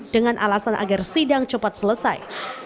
dengan alasan agar sidang cepat selesai